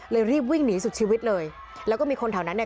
รีบวิ่งหนีสุดชีวิตเลยแล้วก็มีคนแถวนั้นเนี่ย